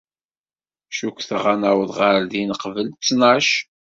Cukkteɣ ad naweḍ ɣer din qbel ttnac.